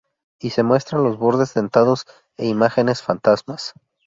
Y se muestran los bordes dentados e imágenes fantasmas.